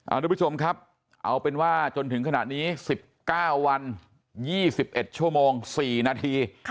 ทุกผู้ชมครับเอาเป็นว่าจนถึงขณะนี้๑๙วัน๒๑ชั่วโมง๔นาที